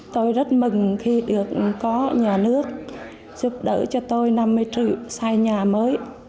tôi rất mừng khi được có nhà nước giúp đỡ cho tôi năm mươi triệu xây nhà mới